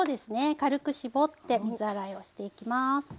軽く絞って水洗いをしていきます。